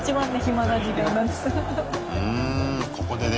うんここで。